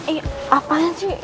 eh apanya sih